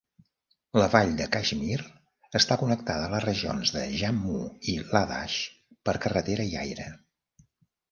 La vall de Kashmir està connectada a les regions de Jammu i Ladakh per carretera i aire.